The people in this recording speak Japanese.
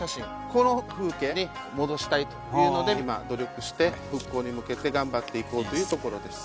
この風景に戻したいというので今努力して復興に向けて頑張っていこうというところです。